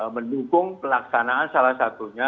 mendukung pelaksanaan salah satunya